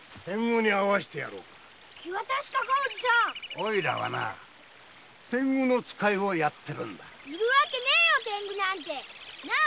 オイラは天狗の使いをやってるんだ。